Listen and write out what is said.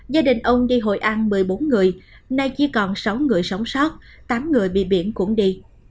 gia đình ông đi hội an một mươi bốn người nay chỉ còn sáu người sống sót tám người bị biển cũng đi